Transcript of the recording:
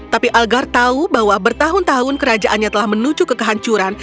tapi algar tahu bahwa bertahun tahun kerajaannya telah menuju ke kehancuran